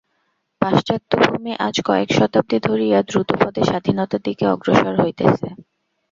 পাশ্চাত্যভূমি আজ কয়েক শতাব্দী ধরিয়া দ্রুতপদে স্বাধীনতার দিকে অগ্রসর হইতেছে।